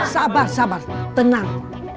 sabar sabar tenang